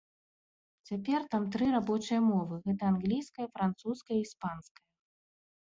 Цяпер там тры рабочыя мовы, гэта англійская французскай і іспанская.